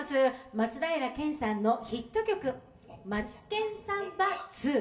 松平健さんのヒット曲「マツケンサンバⅡ」。